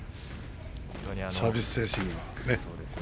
サービス精神がね。